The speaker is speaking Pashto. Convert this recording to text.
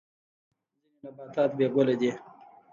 ځینې نباتات بې ګله دي